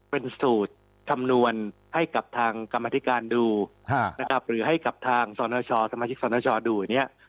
เป็นสูตรคำนวณให้กับทางกรรมธิการดูนะครับหรือให้กับทางสนชสมาชิกสนชดูเนี่ย